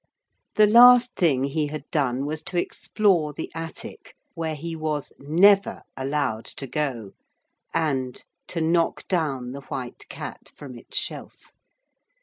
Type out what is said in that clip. The last thing he had done was to explore the attic, where he was never allowed to go, and to knock down the White Cat from its shelf.